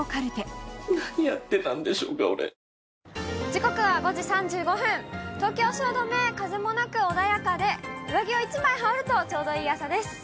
時刻は５時３５分、東京・汐留、風もなく、穏やかで、上着を１枚羽織ると、ちょうどいい朝です。